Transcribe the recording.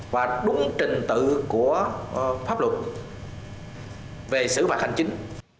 và đúng trình tự của pháp luật về xử phạt hành chính